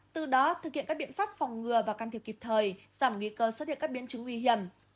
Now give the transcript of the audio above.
từ đó thực hiện các biện pháp phòng ngừa và can thiệp kịp thời giảm nguy cơ xuất hiện các biến chứng nguy hiểm